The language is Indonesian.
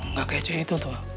nggak kayak cewek itu tuh